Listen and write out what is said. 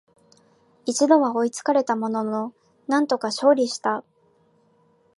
一度は追いつかれたものの、なんとか勝利した